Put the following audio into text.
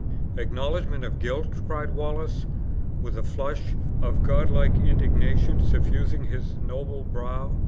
"Acknowledgment of guilt!" cried Wallace, with a flush of god like indignation suffusing his noble brow.